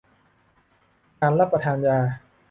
การรับประทานยา